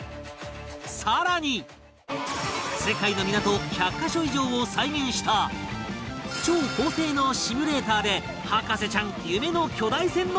更に世界の港１００カ所以上を再現した超高性能シミュレーターで博士ちゃん夢の巨大船の操縦！